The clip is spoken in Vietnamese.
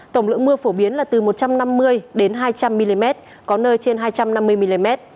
tổng lượng mưa phổ biến là từ một trăm năm mươi hai trăm linh mm có nơi trên hai trăm năm mươi mm